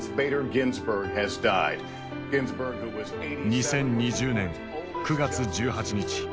２０２０年９月１８日。